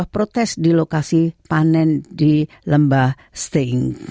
protes di lokasi panen di lembah staying